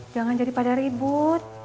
jangan jadi pada ribut